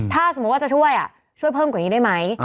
ถ้าสมมุติว่าจะช่วยช่วยเพิ่มกว่านี้ได้ไหม